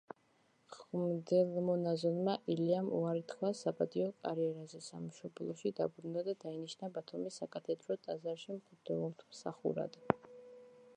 მღვდელმონაზონმა ილიამ უარი თქვა საპატიო კარიერაზე, სამშობლოში დაბრუნდა და დაინიშნა ბათუმის საკათედრო ტაძარში მღვდელმსახურად.